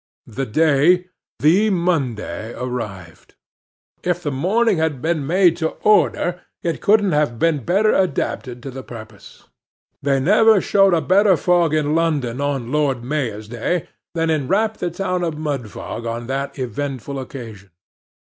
The day—the Monday—arrived. If the morning had been made to order, it couldn't have been better adapted to the purpose. They never showed a better fog in London on Lord Mayor's day, than enwrapped the town of Mudfog on that eventful occasion.